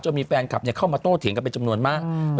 จะมีแฟงคับนี่เข้ามาโตเถียงกันเป็นจำนวนมากอืม